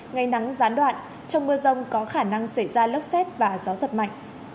ngày nắng gián đoạn trong mưa rông có khả năng xảy ra lốc xét và gió giật mạnh